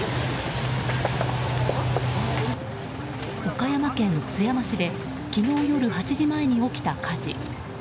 岡山県津山市で昨日夜８時前に起きた火事。